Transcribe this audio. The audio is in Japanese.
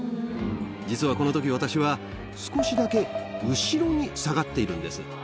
実はこのとき、私は、少しだけ後ろに下がっているんです。